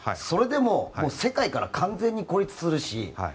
それでも世界から完全に孤立するし